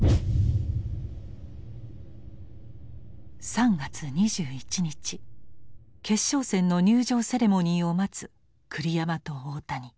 ３月２１日決勝戦の入場セレモニーを待つ栗山と大谷。